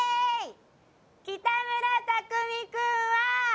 北村匠海君は。